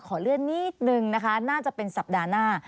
ขอเลื่อนนิดนึงนะคะน่าจะเป็นสัปดาห์หน้า